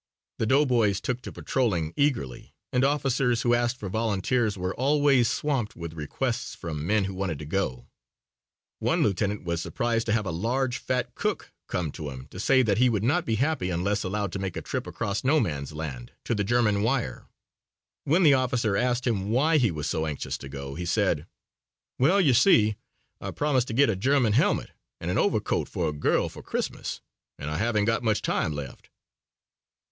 The doughboys took to patrolling eagerly and officers who asked for volunteers were always swamped with requests from men who wanted to go. One lieutenant was surprised to have a large fat cook come to him to say that he would not be happy unless allowed to make a trip across No Man's Land to the German wire. When the officer asked him why he was so anxious to go, he said: "Well, you see, I promised to get a German helmet and an overcoat for a girl for Christmas and I haven't got much time left."